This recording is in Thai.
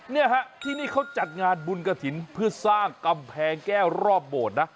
เนี่ยฮะที่นี่เขาจัดงานบุญกระถิ่นเพื่อสร้างกำแพงแก้วรอบโบสถ์นะ